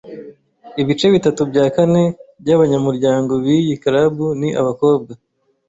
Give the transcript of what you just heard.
Ibice bitatu bya kane byabanyamuryango biyi club ni abakobwa.